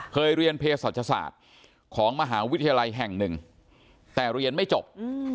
เคยเรียนเพศศาสตร์ของมหาวิทยาลัยแห่งหนึ่งแต่เรียนไม่จบ